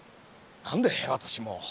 何で私も？